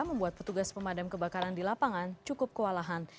membuat petugas pemadam kebakaran di lapangan cukup kewalahan